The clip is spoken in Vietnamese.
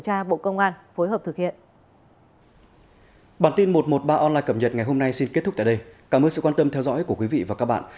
cảm ơn sự quan tâm theo dõi của quý vị và các bạn